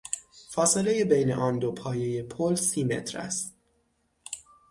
فاصلهٔ بین آن دو پایهٔ پل سی متر است.